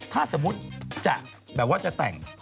ถ้าสมมติจะแต่ง